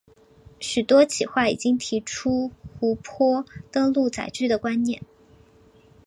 许多企划已经提出湖泊登陆载具的观念。